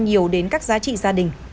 càng nhiều đến các giá trị gia đình